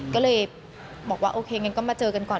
ก็เลยบอกว่าโอเคงั้นก็มาเจอกันก่อน